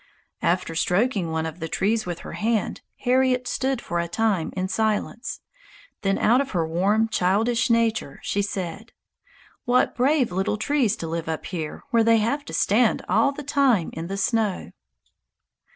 After stroking one of the trees with her hand, Harriet stood for a time in silence, then out of her warm childish nature she said, "What brave little trees to live up here where they have to stand all the time in the snow!"